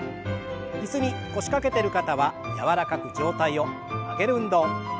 椅子に腰掛けてる方は柔らかく上体を曲げる運動。